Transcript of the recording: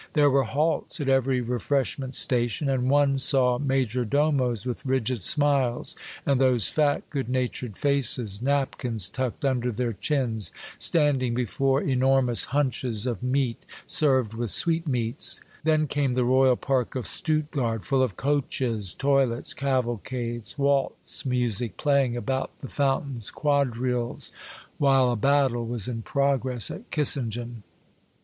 There were halts at every refreshment station, and one saw major domos with rigid smiles, and those fat, good natured faces, napkins tucked under their chins, standing before enormous hunches of meat, served with sweetmeats ; then came the royal Park of Stuttgard, full of coaches, toilets, cavalcades, waltz music playing about the fountains, quadrilles while a battle was in progress at Kissingen.